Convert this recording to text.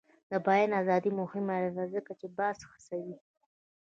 د بیان ازادي مهمه ده ځکه چې بحث هڅوي.